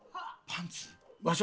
パンツ！？